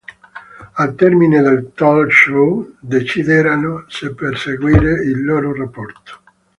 Al termine del talk show, decideranno se proseguire il loro rapporto.